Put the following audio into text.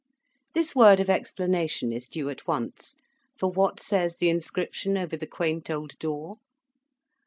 This word of explanation is due at once, for what says the inscription over the quaint old door?